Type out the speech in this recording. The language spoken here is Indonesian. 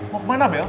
mau kemana bel